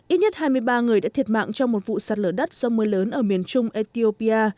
ít nhất hai mươi ba người đã thiệt mạng trong một vụ sạt lở đất do mưa lớn ở miền trung ethiopia